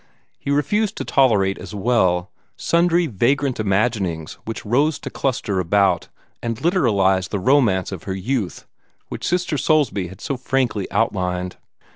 He refused to tolerate, as well, sundry vagrant imaginings which rose to cluster about and literalize the romance of her youth which Sister Soulsby had so frankly outlined.